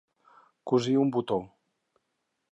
Cosir un botó.